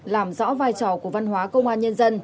làm rõ vai trò của văn hóa công an nhân dân